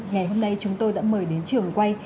ngày hôm nay chúng tôi đã mời đến trường quay